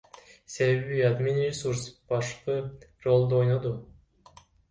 Себеби админресурс башкы ролду ойноду.